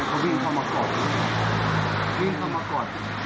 เขาวิ่งเข้ามากอดวิ่งเข้ามากอด